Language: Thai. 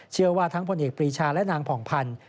เชื่อว่าทั้งพลเอกปรีชาและนางผ่องพันธ์